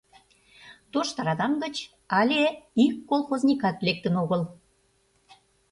Тошто радам гыч але ик колхозникат лектын огыл...